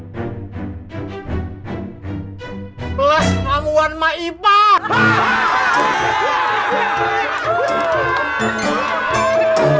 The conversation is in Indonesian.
ya allah mau mau